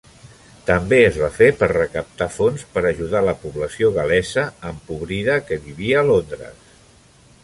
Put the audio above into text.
També es va fer per recaptar fons per ajudar la població gal·lesa empobrida que vivia a Londres.